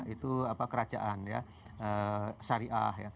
itu kerajaan syariah